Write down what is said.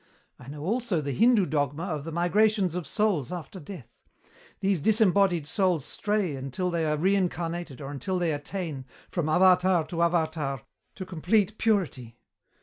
I know also the Hindu dogma of the migrations of souls after death. These disembodied souls stray until they are reincarnated or until they attain, from avatar to avatar, to complete purity.